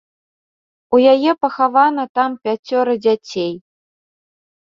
У яе пахавана там пяцёра дзяцей.